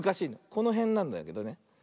このへんなんだけどね。